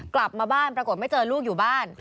กลับมาบ้านปรากฏไม่เจอลูกอยู่บ้าน